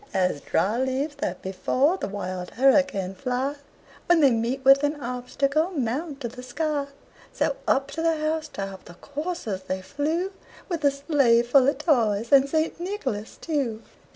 As dry leaves that before the wild hurricane fly, When they meet with an obstacle, mount to the sky, So, up to the house top the coursers they flew, With a sleigh full of toys, and St. Nicholas too.